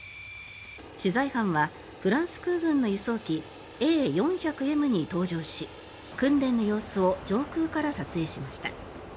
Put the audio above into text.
取材班はフランス空軍の輸送機Ａ４００Ｍに搭乗し訓練の様子を上空から撮影しました。